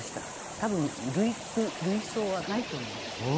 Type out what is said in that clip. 多分類句類想はないと思います。